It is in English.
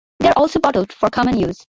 They are also bottled for common use.